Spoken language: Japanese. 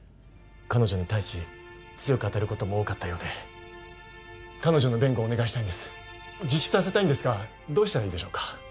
彼女に対し強く当たることも多かったようで彼女の弁護をお願いしたいんです自首させたいんですがどうしたらいいでしょうか？